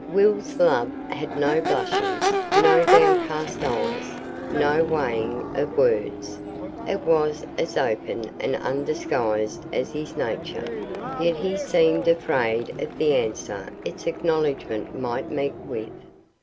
Will's love had no blushings, no downcast eyes, no weighing of words; it was as open and undisguised as his nature; yet he seemed afraid of the answer its acknowledgment might meet with.